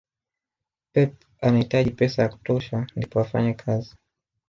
pep amahitaji pesa ya kutosha ndipo afanye kazi